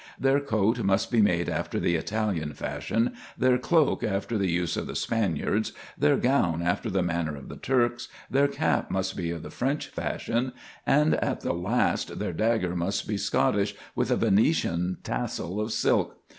Their coat must be made after the Italian fashion, their cloak after the use of the Spaniards, their gown after the manner of the Turks; their cap must be of the French fashion; and at the last their dagger must be Scottish with a Venetian tassel of silk.